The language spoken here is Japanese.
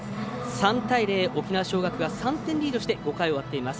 ３対０、沖縄尚学が３点リードして５回を終わっています。